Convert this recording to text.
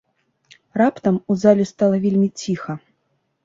Раптам у зале стала вельмі ціха.